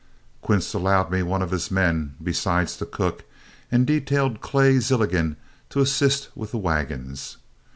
Quince allowed me one of his men besides the cook, and detailed Clay Zilligan to assist with the wagons.